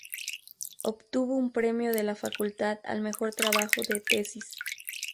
Obtuvo un premio de la facultad al mejor trabajo de tesis.